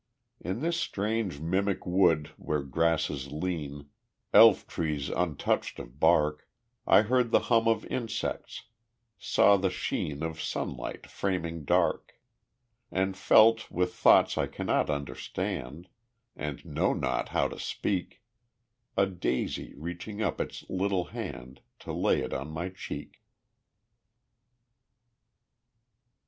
In this strange mimic wood where grasses lean Elf trees untouched of bark I heard the hum of insects, saw the sheen Of sunlight framing dark, And felt with thoughts I cannot understand, And know not how to speak, A daisy reaching up its little hand To lay it on my cheek.